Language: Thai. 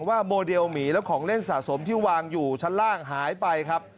ว่าโมเดลหมีและของเล่นสะสมที่วางอยู่ชั้นล่างหายไปครับ